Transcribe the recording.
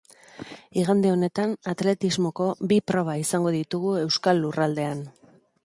Igande honetan atletismoko bi proba izango ditugu euskal lurraldean.